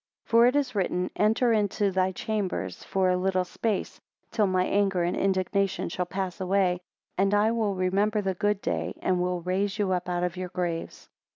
12 For it is written, Enter into thy chambers for a little space, till my anger and indignation shall pass away: And I will remember the good day, and, will raise you up out of your graves.